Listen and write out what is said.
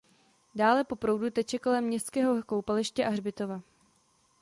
Dále po proudu teče kolem městského koupaliště a hřbitova.